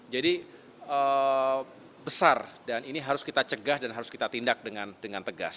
jadi besar dan ini harus kita cegah dan harus kita tindak dengan